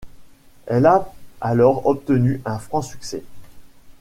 Elle a alors obtenu un franc succès.